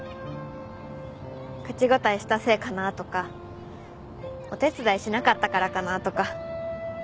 口答えしたせいかなとかお手伝いしなかったからかなとか。